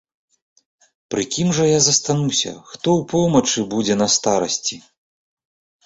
Пры кім жа я застануся, хто ў помачы будзе на старасці?